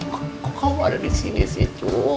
kok kamu ada disini sih cu